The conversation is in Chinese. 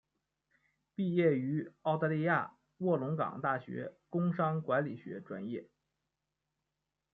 毕业于澳大利亚卧龙岗大学工商管理学专业。